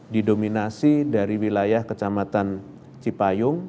didominasi dari wilayah kecamatan cipayung